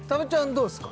どうですか？